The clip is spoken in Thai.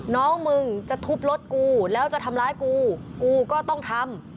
น้องมึงจะทุบรถกูแล้วจะทำร้ายกูกูก็ต้องทำ